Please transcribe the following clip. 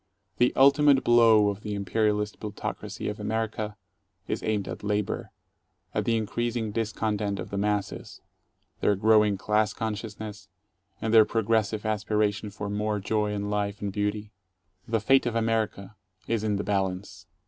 The ultimate blow of the imperialist plutocracy of America is aimed at Labor, at the increasing discontent of the masses, their growing class consciousness, and their progressive aspiration for more joy and life and beauty. The fate of America is in the balance.